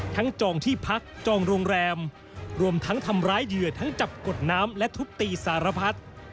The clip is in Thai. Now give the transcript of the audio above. จองที่พักจองโรงแรมรวมทั้งทำร้ายเหยื่อทั้งจับกดน้ำและทุบตีสารพัด